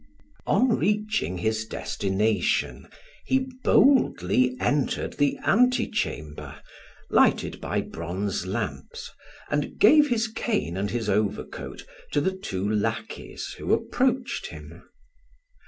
On reaching his destination, he boldly entered the antechamber, lighted by bronze lamps, and gave his cane and his overcoat to the two lackeys who approached him.